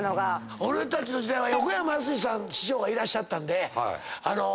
俺たちの時代は横山やすしさん師匠がいらっしゃったんで。